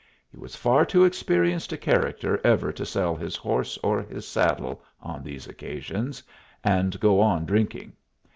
He was far too experienced a character ever to sell his horse or his saddle on these occasions, and go on drinking.